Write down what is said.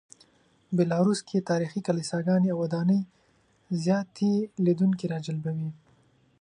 بیلاروس کې تاریخي کلیساګانې او ودانۍ زیاتې لیدونکي راجلبوي.